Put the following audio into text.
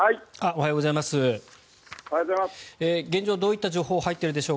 おはようございます。